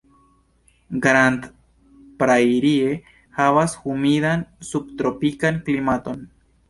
Grand Prairie havas humidan subtropikan klimaton.